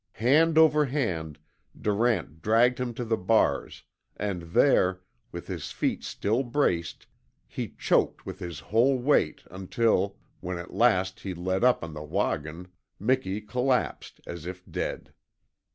Hand over hand Durant dragged him to the bars, and there, with his feet still braced, he choked with his whole weight until when at last he let up on the WAHGUN Miki collapsed as if dead.